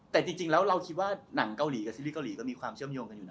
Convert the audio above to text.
แต่จริงแล้วเราคิดว่าหนังเกาหลีกับซีรีสเกาหลีก็มีความเชื่อมโยงกันอยู่นะ